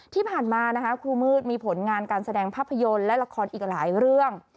ที่ผ่านมานะคะครูมืดมีผลงานการแสดงภาพยนตร์และละครอีกหลายเรื่อง